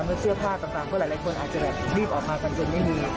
เสื้อผ้าต่างก็หลายคนอาจจะแบบรีบออกมากันจนไม่มี